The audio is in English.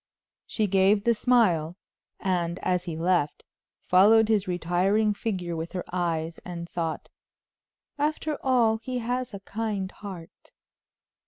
She gave the smile, and as he left, followed his retiring figure with her eyes, and thought: "After all, he has a kind heart."